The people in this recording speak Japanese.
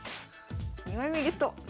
２枚目ゲット！